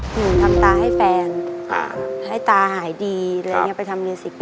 หนูทำตาให้แฟนให้ตาหายดีไปทำงานศิษย์